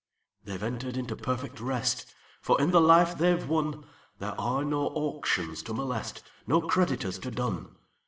"They 've entered into perfect rest; For in the life they 've wonThere are no auctions to molest, No creditors to dun.